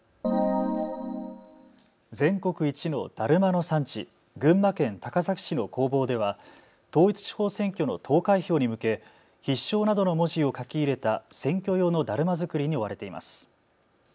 全国一のだるまの産地、群馬県高崎市の工房では統一地方選挙の投開票に向け必勝などの文字を書き入れた選挙用のだるま作りに追われています。